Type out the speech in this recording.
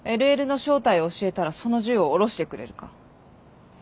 ＬＬの正体を教えたらその銃を下ろしてくれるか？